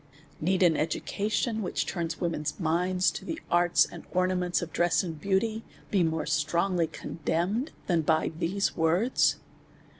Need an education, which turns women's minds to the arts and ornaments of dress and beauty, be more strongly condemned, than by these words?